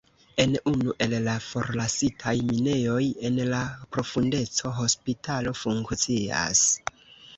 En unu el la forlasitaj minejoj en la profundeco hospitalo funkcias.